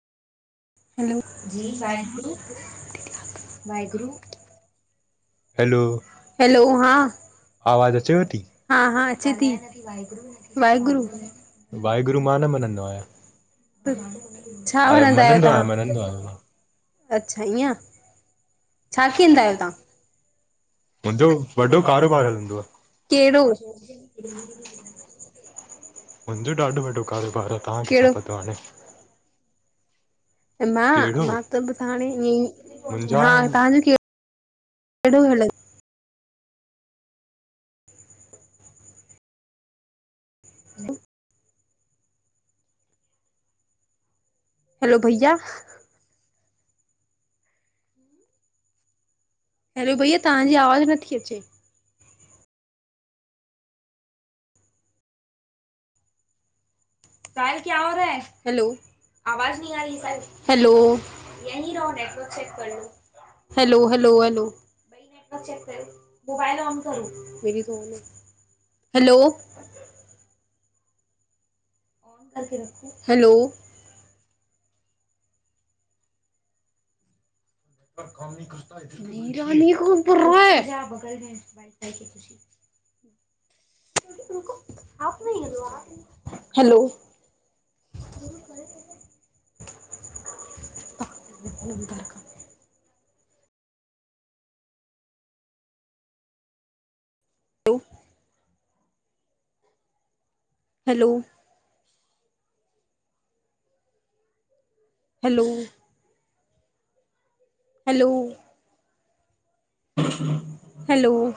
हलो, जी वाहेगुरू, वाहेगुरू। हलो, हा आवाज़ु अचेव थी? हा, हा अचे ती वाहेगुरू वाहेगुरू मां न मञ दो आहियां छा मनंदा आहियो मञंदो आहियां, तव्हां? मञंदो आहियां मां। अच्छा, इअं छा केंदा आहियो तव्हां? मुंहिंजो वॾो कारोबार हलंदो कहिड़ो आ। मुंहिंजो ॾाढो वॾो कारोबार आ, तव्हां कहिड़ो छा ता कयो हाणे? मां, कहिड़ो? मां त ॿुधा हाणे ईअं हा मुंहिंजा तव्हांजो के कहिड़ो हलंदो? हलो, भैया हेलो, भैया तव्हांजी आवाज़ु नथी अचे। हलो आवाज़ नही आ रही---हैलो, यही रहो नेटवर्क चेक कर लो hello, hello, hello hello hello [unintelligible] हलो [inaudible] [inaudible] हैलो हलो हलो हलो